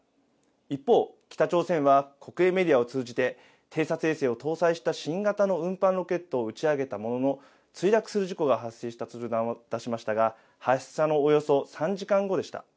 一方、北朝鮮は国営メディアを通じて、偵察衛星を搭載した新型の運搬ロケットを打ち上げたものの、墜落する事故が発生した通達を出しましたが、発射のおよそ３時間後でした。